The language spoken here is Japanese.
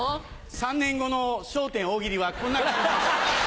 ３年後の『笑点』大喜利はこんな感じです。